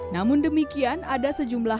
namun demikian ada sejumlah